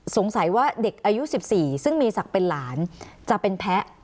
สงสัยว่าเด็กอายุ๑๔ซึ่งมีศักดิ์เป็นหลานจะเป็นแพ้